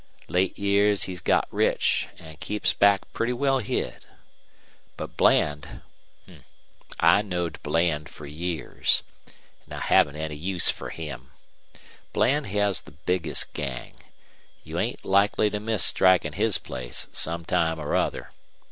Late years he's got rich an' keeps back pretty well hid. But Bland I knowed Bland fer years. An' I haven't any use fer him. Bland has the biggest gang. You ain't likely to miss strikin' his place sometime or other.